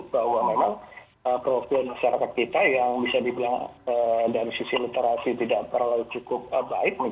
bahwa memang profil masyarakat kita yang bisa dibilang dari sisi literasi tidak terlalu cukup baik